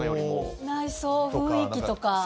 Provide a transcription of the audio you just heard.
内装、雰囲気とか。